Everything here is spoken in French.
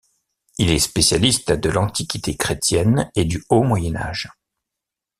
Il est spécialiste de l'Antiquité chrétienne et du haut Moyen Âge.